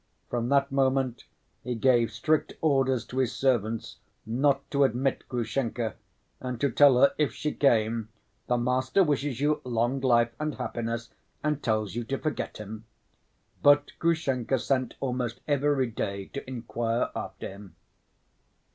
From that moment he gave strict orders to his servants not to admit Grushenka and to tell her if she came, "The master wishes you long life and happiness and tells you to forget him." But Grushenka sent almost every day to inquire after him.